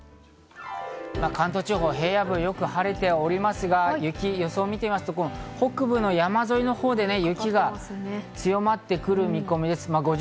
関東地方平野部よく晴れておりますが、雪の予想を見てみますと北部の山沿いのほうで雪が強まってくる見込みです。